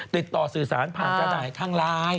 ติดต่อสื่อสารผ่านกระดายทางไลน์